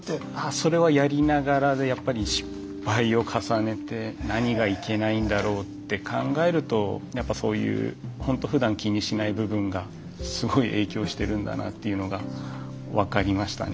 それはやりながらでやっぱり失敗を重ねて何がいけないんだろうって考えるとやっぱそういうほんとふだん気にしない部分がすごい影響してるんだなっていうのが分かりましたね。